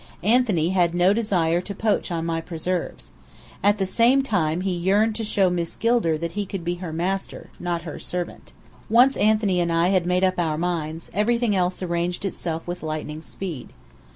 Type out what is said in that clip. Anthony had no desire to poach on my preserves. At the same time he yearned to show Miss Gilder that he could be her master, not her servant. Once Anthony and I had made up our minds, everything else arranged itself with lightning speed.